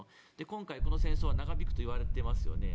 今回、この戦争は長引くといわれていますよね。